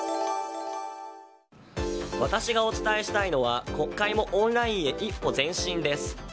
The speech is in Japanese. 私がお伝えしたいのは国会もオンラインへ一歩前進です。